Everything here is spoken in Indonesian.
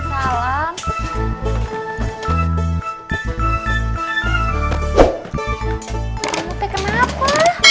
kamu teh kenapa